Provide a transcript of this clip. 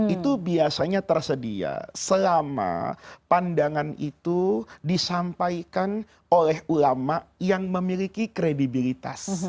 itu biasanya tersedia selama pandangan itu disampaikan oleh ulama yang memiliki kredibilitas